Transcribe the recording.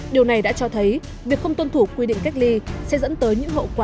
điều này đã cho thấy việc không tuân thủ quy định cách ly sẽ dẫn tới những hậu quả